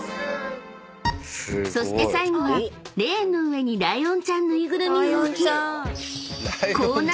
［そして最後はレーンの上にライオンちゃん縫いぐるみを置き］